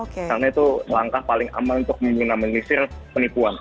karena itu langkah paling aman untuk menggunakan penipuan